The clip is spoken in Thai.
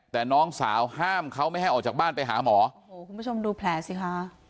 แต่น้องสาวห้ามเขาไม่ให้ออกจากบ้านไปหาหมอโอ้โหคุณผู้ชมดูแผลสิคะ